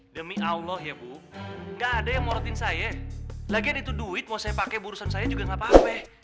demi allah ya bu gak ada yang mau rotin saya lagian itu duit mau saya pakai di urusan saya juga gak apa apa